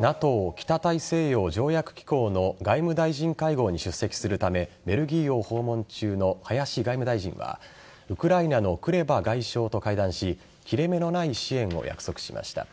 ＮＡＴＯ＝北大西洋条約機構の外務大臣会合に出席するためベルギーを訪問中の林外務大臣はウクライナのクレバ外相と会談し切れ目のない支援を約束しました。